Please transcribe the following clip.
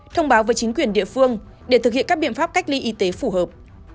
thông báo với chính quyền địa phương để thực hiện các biện pháp cách ly y tế phù hợp